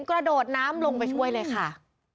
กระโดดน้ำลงไปช่วยเลยค่ะ